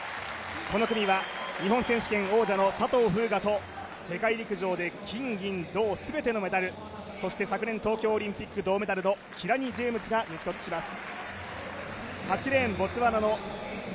この組は日本選手権王者の佐藤風雅と、世界陸上で金・銀・銅全てのメダル、そして昨年、東京オリンピック銅メダルのキラニ・ジェームズが激突します。